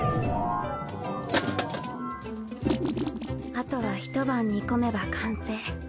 あとは一晩煮込めば完成。